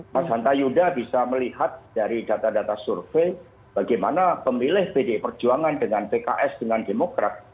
mas hanta yuda bisa melihat dari data data survei bagaimana pemilih pdi perjuangan dengan pks dengan demokrat